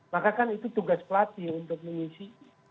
maka kan itu tugas pelatih untuk mengisi